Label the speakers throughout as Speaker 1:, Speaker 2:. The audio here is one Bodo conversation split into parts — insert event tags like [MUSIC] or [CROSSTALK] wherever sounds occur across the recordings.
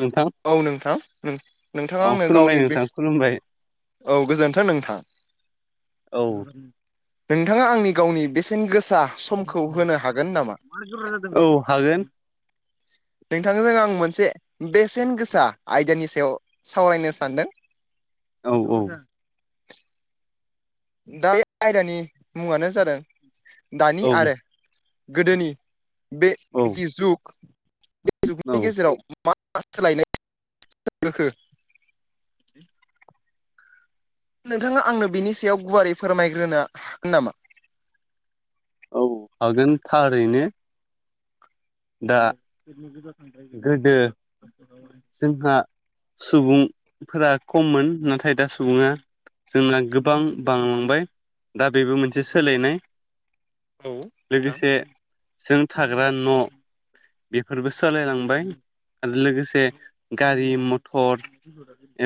Speaker 1: नोंथां
Speaker 2: औ नोंथां उम नोंथाङा
Speaker 1: औ
Speaker 2: आंनो
Speaker 1: खुलुमबाय
Speaker 2: गावनि
Speaker 1: नोंथां
Speaker 2: बेसे
Speaker 1: खुलुमबाय
Speaker 2: औ गोजोन्थों नोंथां।
Speaker 1: औ।
Speaker 2: नोंथाङा आंनि गावनि बेसेन गोसा समखौ होनो हागोन नामा?
Speaker 1: [INAUDIBLE] औ हागोन।
Speaker 2: नोंथांजों आं मोनसे बेसेन गोसा आयदानि सायाव सावरायनो सानदों।
Speaker 1: औ औ।
Speaker 2: दा बे आयदानि मुङानो जादों दानि
Speaker 1: औ
Speaker 2: आरो गोदोनि बे
Speaker 1: औ
Speaker 2: जि जुग बे
Speaker 1: औ
Speaker 2: जुगनि गेजेराव मा मा सोलायनाय [UNINTELLIGIBLE] बोखो नोंथाङा आंनो बिनि सायाव गुवारै फोरमायग्रोनो नामा?
Speaker 1: औ हागोन थारैनो। दा गोदो जोंहा सुबुंफोरा खममोन नाथाय दा सुबुङा जोंना गोबां बांलांबाय दा बेबो मोनसे सोलायनाय
Speaker 2: औ नोंथां
Speaker 1: लोगोसे जों थाग्रा न' बेफोरबो सोलायलांबाय आरो लोगोसे गारि मटर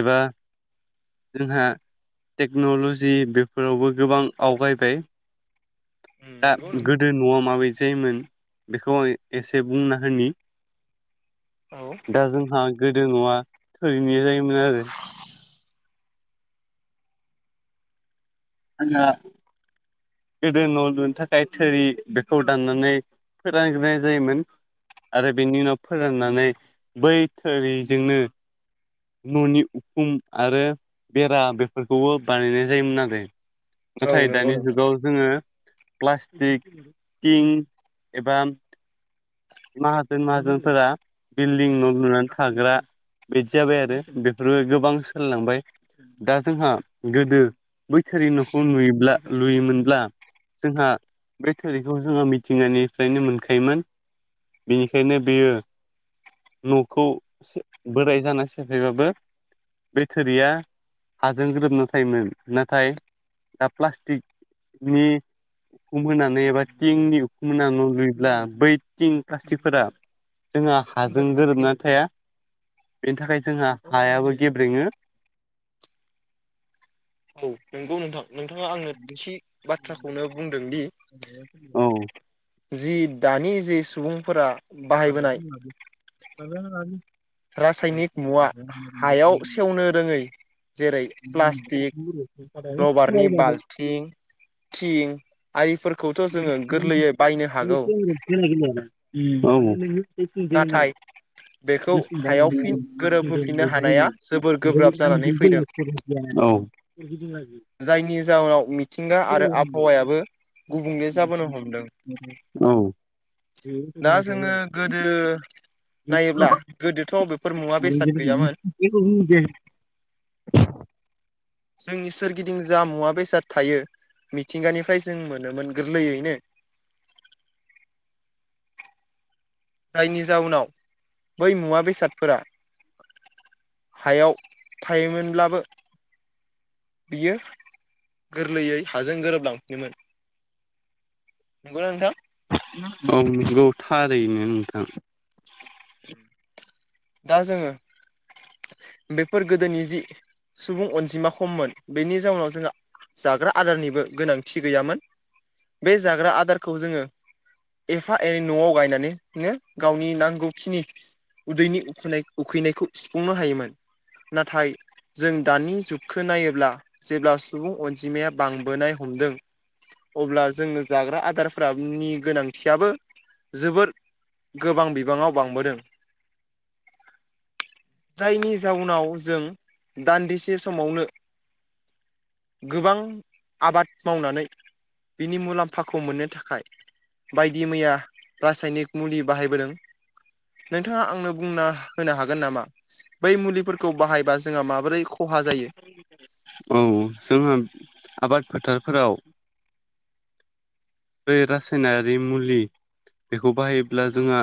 Speaker 1: एबा जोंहा टेक्न'ल'जि बेफोरावबो गोबां आवगायबाय। दा
Speaker 2: नंगौ
Speaker 1: गोदो न'आ माबायदि जायोमोन बेखौ आं एसे बुंना होनि।
Speaker 2: औ।
Speaker 1: दा जोंहा गोदो न'आ थोरनि जायोमोन आरो। आंहा गोदो न' लुनो थाखाय थोरि बेखौ दाननानै फोरानग्रोनाय जायोमोन। आरो बेनि उनाव फोराननानै बै थोरिजोंनो न'नि उखुम आरो बेरा बेफोरखौबो बानायनाय जायोमोन आरो।
Speaker 2: औ
Speaker 1: नाथाय
Speaker 2: नंगौ
Speaker 1: दानि
Speaker 2: नोंथां
Speaker 1: जुगाव जोङो प्लास्टिक टिं एबा माहाजोन माहाजोनफोरा बिल्डिं न' लुनानै थाग्रा। बिदि जाबाय आरो बेफोरबो गोबां सोलायलांबाय। दा जोंहा गोदो बै थोरि न'खौ नुयोब्ला लुयोमोन ब्ला जोंहा बे थोरिखौ जोङो मिथिंगानिफ्रायनो मोनखायोमोन। बिनिखायनो बेयो न'खौ बोराय जाना सेफायबाबो बे थोरिया हाजों ग्रोबना थायोमोन नाथाय दा प्लास्टिक नि उखुम होनानै एबा थिंनि उखुम होनानै न' लुयोब्ला बै थिं प्लास्टिकफोरा जोंहा हाजों गोरोबनानै थाया बेनि थाखाय जोंहा हायाबो गेब्रेङो
Speaker 2: औ नंगौ नोंथां नोंथाङा आंनो थि बाथ्राखौनो बुंदों दि
Speaker 1: औ
Speaker 2: जि दानि जे सुबुंफोरा बाहायबोनाय
Speaker 1: [UNINTELLIGIBLE]
Speaker 2: रासायनिक मुवा हायाव सेवनो रोङै जेरै प्लास्टिक रबारनि बाल्थिं थिं आरिफोरखौथ' जोङो गोरलैयै बायनो हागौ
Speaker 1: औ औ [UNINTELLIGIBLE] औ बेफोरखौ
Speaker 2: नाथाय बेखौ हायाव फिन गोरोबहोफिननो हानाया जोबोर गोब्राब जानानै फैदों
Speaker 1: जों लाजियो
Speaker 2: जायनि जाउनाव मिथिंगा आरो आबहावायाबो गुबुंले जाबोनो हमदों।
Speaker 1: औ
Speaker 2: दा जोङो गोदो नायोब्ला गोदोथ' बबेफोर मुवा बेसाद गैयामोन
Speaker 1: [UNINTELLIGIBLE]
Speaker 2: जोंनि सोरगिदिं जा मुवा बेसाद थायो मिथिंगानिफ्राय जों मोनोमोन गोरलैयैनो जायनि जाउनाव बै मुवा बेसादफोरा हायाव थायोमोनब्लाबो बियो गोरलैयै हाजों गोरोबलांफिनोमोन। नंगौ ना नोंथां
Speaker 1: औ नंगौ थारैनो नोंथां
Speaker 2: दा जोङो बेफोर गोदोनि जि सुबुं अनजिमा खममोन बेनि जाउनाव जोंहा जाग्रा आदारनिबो गोनांथि गैयामोन बे जाग्रा आदारखौ जोङो एफा एनै न'आव गायनानैनो गावनि नांगौखिनि उदैनि उखैनाय उखैनायखौ सुफुंनो हायोमोन नाथाय जों दानि जुगखौ नायोब्ला जेब्ला सुबुं अनजिमाया बांबोनाय हमदों अब्ला जोङो जाग्रा आदारफोरनि गोनांथियाबो जोबोर गोबां बिबाङाव बांबोदों। जायनि जाउनाव जों दान्दिसे समावनो गोबां आबाद मावनानै बिनि मुलाम्फाखौ मोननो थाखाय बायदि मैया रासायनिक मुलि बाहायबोदों नोंथाङा आंनो बुंना होनो हागोन नामा बै मुलिफोरखौ बाहायबा जोंहा माबोरै खहा जायो
Speaker 1: औ जोंहा आबाद फोथारफोराव बै रासायनारि मुलि बेखौ बाहायोब्ला जोंहा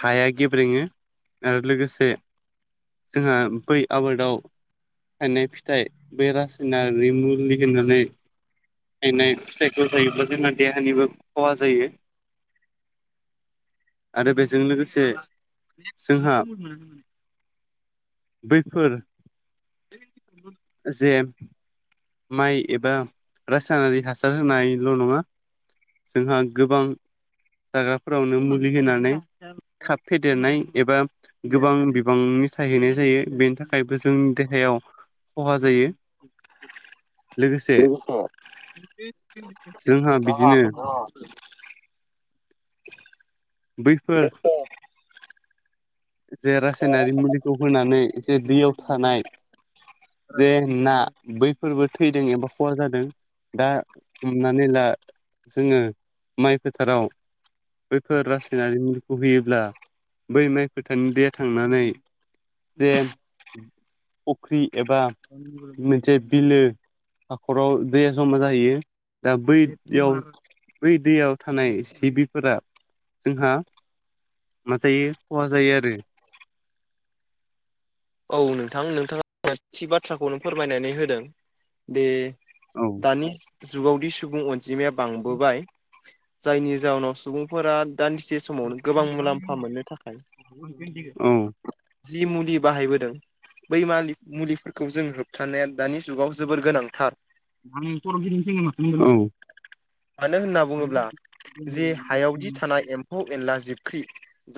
Speaker 1: हाया गेब्रेङो आरो लोगोसे जोंहा बै आबादाव थायनाय फिथाइ बे रासायनारि मुलि होननानै गायनाय फिथाइखौ जायोब्ला जोंहा देहानिबो खहा जायो आरो बेजों लोगोसे जोंहा बैफोर जे माइ एबा रासायनारि हासार होनायल' नङा जोंहा गोबां जाग्राफोरावनो मुलि होनानै थाब फेदेरनाय एबा गोबां बिबांनि थाइहैनाय जायो बेनि थाखायबो जोंनि देहायाव खहा जायो लोगोसे जोंहा बिदिनो-
Speaker 2: [INAUDIBLE]
Speaker 1: बैफोर जे रासायनारि मुलिखौ होनानै जे दैयाव थानाय जे ना बैफोरबो थैदों एबा खहा जादों दा हमनानै ला जोङो माइ फोथाराव बैफोर रासायनारि [UNINTELLIGIBLE] होयोब्ला बै माइ खोथानि दे थांनानै जे फख्रि एबा मोनसे बिलो हाख'राव दैया जमा जाहैयो दा बैयाव बै दैयाव थानाय सिबिफोरा जोंहा मा जायो खहा जायो आरो
Speaker 2: औ नोंथां नोंथाङा [UNINTELLIGIBLE] बाथ्राखौनो फोरमायनानै होदों द
Speaker 1: औ
Speaker 2: दानि जुगावदि सुबुं अनजिमाया बांबोबाय जायनि जााहोनाव सुबुंफोरा दान्दिसे समावनो गोबां मुलाम्फा मोननो थाखाय
Speaker 1: औ
Speaker 2: जि मुलि बाहायबो बै मा मुलिफोरखौ जों होबथानाया दानि जुगाव जोबोर गोनांथार
Speaker 1: [UNINTELLIGIBLE] औ
Speaker 2: मानो होनना बुङोब्ला जे हायावदि थानाय एम हु एनला जिबख्रि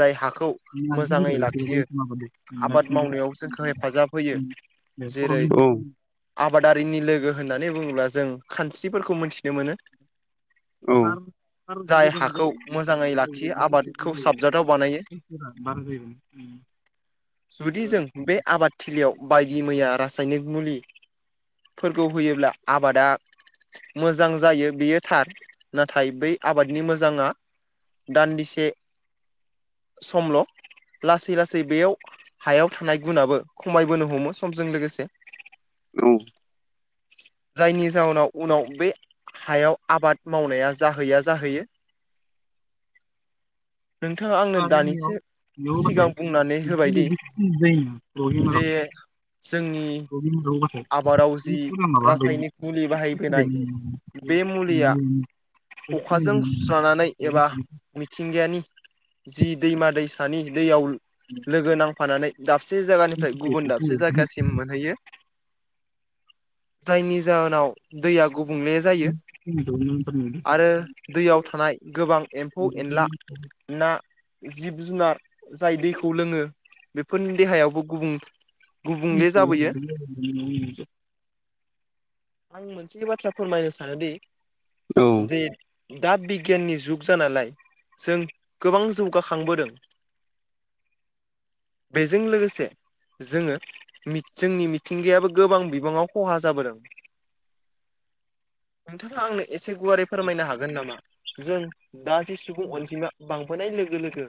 Speaker 2: जाय हाखौ मोजाङै लाखियो आबाद मावनायाव जोंखौ हेफाजाब होयो जेरै
Speaker 1: औ
Speaker 2: आबादारिनि लोगो होननानै बुङोब्ला जों खानस्रिफोरखौ मिथिनो मोनो जाय हाखौ
Speaker 1: औ
Speaker 2: मोजाङै लाखियो आबादखौ साबजाथाव
Speaker 1: [UNINTELLIGIBLE]
Speaker 2: बानायो
Speaker 1: [INAUDIBLE]
Speaker 2: जुदि जों बे आबादथिलियाव बायदि मैया रासायनिक मुलि फोरखौ होयोब्ला आबादा मोजां जायो बेयो थार नाथाय बै आबादनि मोजाङा दान्दिसे समल' लासै लासै बेयाव हायाव थानाय गुनाबो खमायबोनो हमो समजों लोगोसे
Speaker 1: औ
Speaker 2: जायनि जाहोनाव उनाव बे हायाव आबाद मावनाया जाहैया जाहैयो
Speaker 1: [INAUDIBLE]
Speaker 2: नोंथाङा आंनो दानिसो सिगां बुंनानै होबायदि
Speaker 1: [UNINTELLIGIBLE]
Speaker 2: जे जोंनि आबादाव जि
Speaker 1: [UNINTELLIGIBLE]
Speaker 2: रासायनिक मुलि बाहायबोनाय बे मुलिया
Speaker 1: [INAUDIBLE]
Speaker 2: अखाजों सुस्रानानै एबा मिथिंगायानि जि दैमा दैसानि दैयाव
Speaker 1: [INAUDIBLE]
Speaker 2: लोगो नांफानानै दाबसे जायगानिफ्राय गुबुन दाबसे जायगासिम मोनहैयो जायनि जाहोनाव दैया गुबुंले आरो दैयाव थानाय गोबां एम्फौ एनला ना जिब जुनार जाय दैखौ लोङो बेफोरनि देहायावबो गुबुं गुबुंले जाबोयो आं मोनसे बाथ्रा फोरमायनो सानोदि
Speaker 1: औ
Speaker 2: जे दा बिगियाननि जुग जानालाय जों गोबां जौगाखांबोदों बेजों लोगोसे जोङो जोंनि मिथिंगायाबो गोबां बिबाङाव खहा जाबोदों
Speaker 1: [INAUDIBLE]
Speaker 2: नोंथाङा आंनो एसे गुवारै फोरमायनो हागोन नामा जों दा जि सुबुं अनजिमा बांबोनाय लोगो लोगो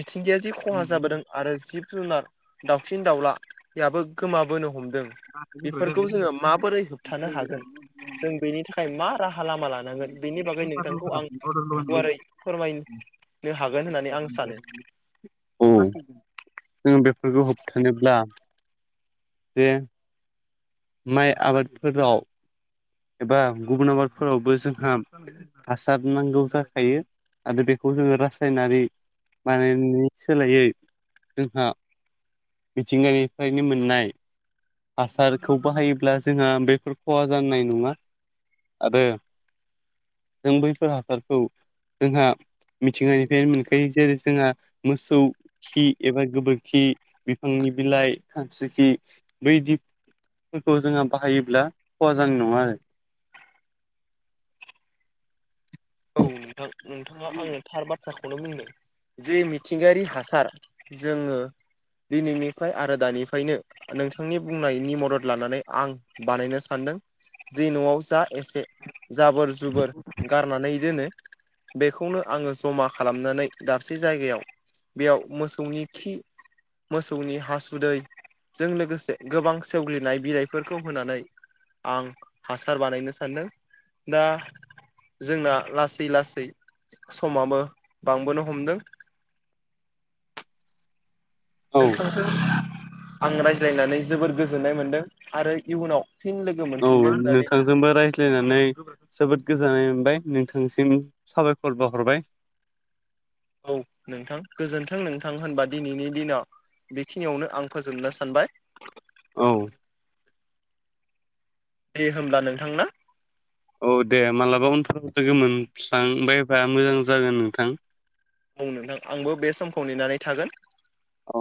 Speaker 2: मिथिंगाया जि खहा जाबोदों आरो जिब जुनार दाउसिन दाउलाबो गोमाबोनो हमदों बेफोरखौ जोङो माबोरै होबथानो हागोन जों बेनि थाखाय मा राहा लामा लानांगोन बेनि बागै नोंथांखौ आं गुवारै फोरमायनो हागोन होननानै आं सानो
Speaker 1: औ जों बेफोरखौ होबथानोब्ला जे माइ आबादफोराव एबा गुबुन आबादफोरावबो जोंहा हासार नांगौ जाखायो आरो बेखौ जोङो रासायनारि बानायनायनि सोलायै जोंहा मिथिंगानिफ्रायनो मोननाय हासारखौ बाहायोब्ला जोंहा बेफोर खहा जानायानाय नङा आरो जों बैफोर हासारखौ जोंहा मिथिंगानिफ्रायनो मोनखायो जेरै जोंहा मोसौ खि एबा गोबोरखि बिफांनि बिलाइ खानस्रि खि बै दिफोरखौ जोंहा बाहायोब्ला खहा जानाय नङा आरो
Speaker 2: औ नोंथां नोंथाङा आंनो थार बाथ्राखौनो बुंदों जि मिथिंगायारि हासार जोङो दिनैनिफ्राय आरो दानिफ्रायनो नोंथांनि बुंनायनि मदद लानानै आं बानायनो सानदों जि न'आव जा एसे जाबोर जुबोर गारनानै दोनो बेखौनो आङो जमा खालामनानै दाबसे जायगायाव बेयाव मोसौनि खि मोसौनि हासुदैजों लोगोसे गोबां सेवग्लिनाय बिलाइफोरखौ होनानै आं हासार बानायनो सानदों दा जोंना लासै लासै समाबो बांबोनो हमदों
Speaker 1: औ
Speaker 2: नोंथांजों आं रायज्लायनानै जोबोर गोजोननाय मोनदों आरो इयुनाव फिन लोगो
Speaker 1: औ
Speaker 2: मोनफिनगोन होननानै
Speaker 1: नोंथां जोंबो रायज्लायनानै जोबोद गोजोननाय मोनबाय नोंथांसिम साबायखर बावहरबाय
Speaker 2: औ नोंथां गोजोनथों नोंथां होनबा दिनैनि दिनाव बेखिनियावनो आं फोजोबनो सानबाय
Speaker 1: औ
Speaker 2: दे होनोमब्ला नोंथांना
Speaker 1: औ दे मालाबा उनफोराव लोगो मोनफ्लां बायबा मोजां जागोन नोंथां
Speaker 2: औ नोंथां आंबो बे समखौ नेनानै थागोन
Speaker 1: औ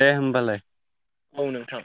Speaker 1: दे होमबालाय
Speaker 2: औ नोंथां